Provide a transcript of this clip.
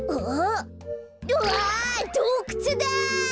わあどうくつだ！